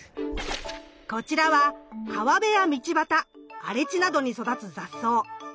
こちらは川辺や道ばた荒れ地などに育つ雑草ノミノツヅリ。